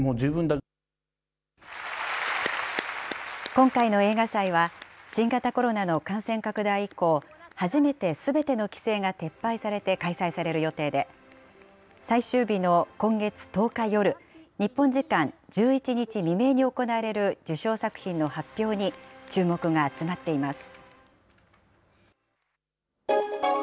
今回の映画祭は、新型コロナの感染拡大以降、初めてすべての規制が撤廃されて開催される予定で、最終日の今月１０日夜、日本時間１１日未明に行われる受賞作品の発表に注目が集まっています。